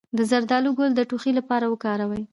د زردالو ګل د ټوخي لپاره وکاروئ